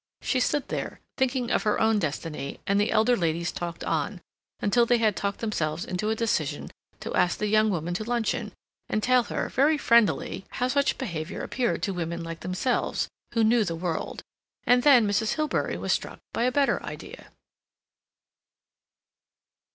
She stood there, thinking of her own destiny, and the elder ladies talked on, until they had talked themselves into a decision to ask the young woman to luncheon, and tell her, very friendlily, how such behavior appeared to women like themselves, who knew the world. And then Mrs. Hilbery was struck by a better idea.